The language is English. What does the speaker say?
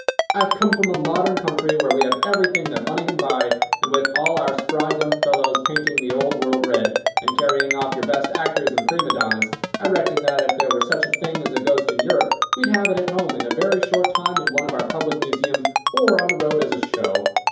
I have come from a modern country, where we have everything that money can buy; and with all our spry young fellows painting the Old World red, and carrying off your best actors and prima donnas, I reckon that if there were such a thing as a ghost in Europe, we'd have it at home in a very short time in one of our public museums, or on the road as a show."